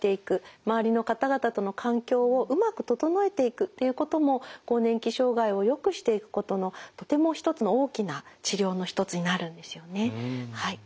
周りの方々との環境をうまく整えていくっていうことも更年期障害をよくしていくことのとても一つの大きな治療の一つになるんですよねはい。